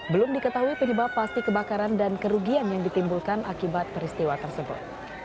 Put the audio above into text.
belum diketahui penyebab pasti kebakaran dan kerugian yang ditimbulkan akibat peristiwa tersebut